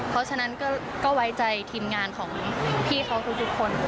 เพราะฉะนั้นก็ไว้ใจทีมงานของพี่เขาทุกคน